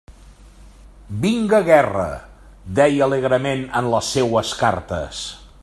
«Vinga guerra!», deia alegrement en les seues cartes.